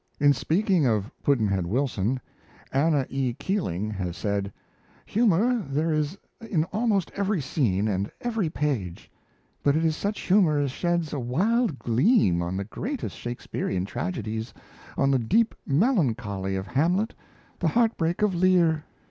In speaking of Pudd'nhead Wilson, Anna E. Keeling has said "Humour there is in almost every scene and every page; but it is such humour as sheds a wild gleam on the greatest Shakespearian tragedies on the deep melancholy of Hamlet, the heartbreak of Lear."